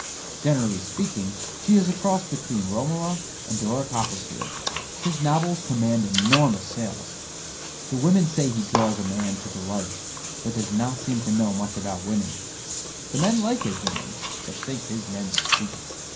Generally speaking, she is a cross between Romola and Dora Copperfield. His novels command enormous sales. The women say he draws a man to the life, but does not seem to know much about women. The men like his women, but think his men stupid.